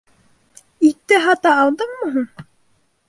— Итте һата алдыңмы һуң?